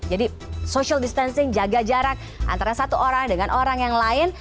jadi social distancing jaga jarak antara satu orang dengan orang yang lain